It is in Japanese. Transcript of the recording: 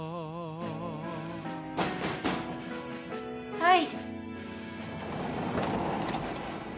はい。